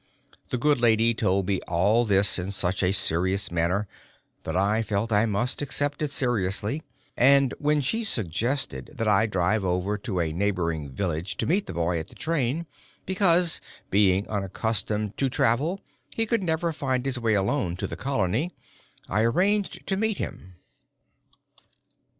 The good lady told me all this in such a serious manner that I felt I must accept it seriously, and when she suggested that I drive over to a neighboring village to meet the boy at the train, because, being unaccustomed to travel, he could never find his way alone to the Colony, I arranged to meet him.